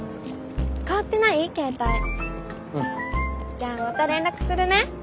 じゃあまた連絡するね。